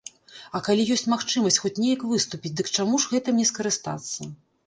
А калі ёсць магчымасць хоць неяк выступіць, дык чаму ж гэтым не скарыстацца?